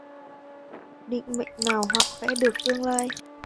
Định mệnh nào hoạ vẽ được tương lai